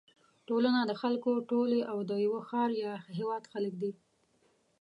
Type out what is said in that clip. ټولنه د خلکو ټولی او د یوه ښار یا هېواد خلک دي.